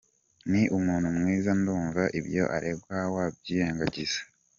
Ni umuntu mwiza, ndumva ibyo aregwa wabyirengagiza.